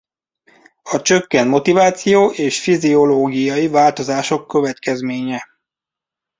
A csökkent motiváció és fiziológiai változások következménye.